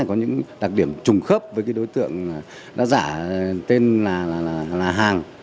có những đặc điểm trùng khớp với cái đối tượng đã giả tên là hàng